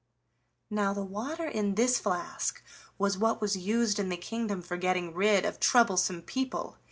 Now the water in this flask was what was used in the kingdom for getting rid of troublesome people.